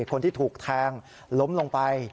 คนที่ถูกแทงล้มลงไป